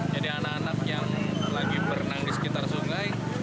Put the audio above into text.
jadi anak anak yang lagi berenang di sekitar sungai